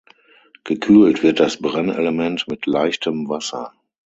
Gekühlt wird das Brennelement mit leichtem Wasser.